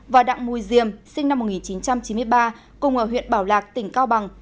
và đặng mùi diêm sinh năm một nghìn chín trăm chín mươi ba cùng ở huyện bảo lạc tỉnh cao bằng